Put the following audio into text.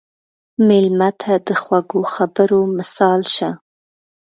مېلمه ته د خوږو خبرو مثال شه.